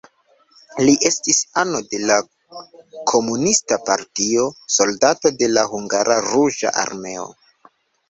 Li estis ano de la komunista partio, soldato de la hungara ruĝa armeo.